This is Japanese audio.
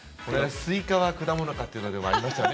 スイカは果物か？というのでもありましたね。